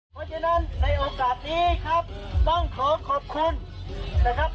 เพราะฉะนั้นในโอกาสนี้ครับต้องขอขอบคุณนะครับ